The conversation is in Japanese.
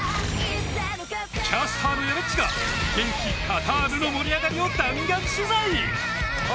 キャスターのやべっちが現地カタールの盛り上がりを弾丸取材！